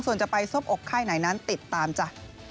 ส่วนจะไปซบอกค่ายไหนนั้นติดตามจ้ะ